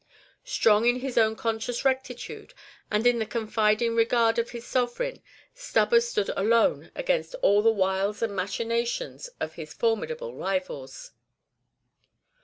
Strong in his own conscious rectitude, and in the confiding regard of his sovereign, Stubber stood alone against all the wiles and machinations of his formidable rivals.